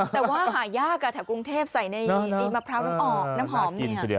แต่ว่าหายากแถวกรุงเทพใส่ในมะพร้าวน้ำออกน้ำหอมเนี่ย